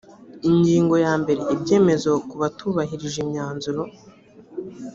ingingo ya mbere ibyemezo ku batubahirije imyanzuro